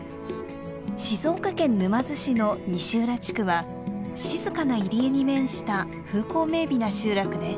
静岡県沼津市の西浦地区は静かな入り江に面した風光明美な集落です。